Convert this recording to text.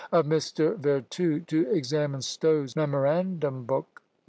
Of Mr. Vertue, to examine Stowe's memorandum book.